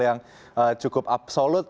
yang cukup absolut